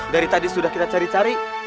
dari tadi sudah kita cari cari